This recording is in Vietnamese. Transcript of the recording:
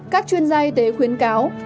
các chuyên gia y tế khuyến cáo